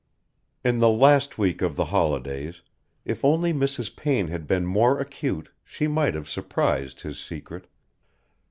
XVI In the last week of the holidays, if only Mrs. Payne had been more acute, she might have surprised his secret.